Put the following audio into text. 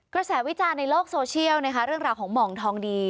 กระแสวิจารณ์ในโลกโซเชียลนะคะเรื่องราวของห่องทองดี